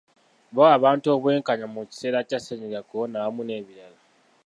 Bawa abantu obwenkanya mu kiseera kya ssennyiga korona awamu n'ebirala.